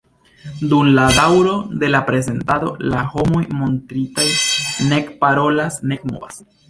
Dum la daŭro de la prezentado, la homoj montritaj nek parolas, nek movas.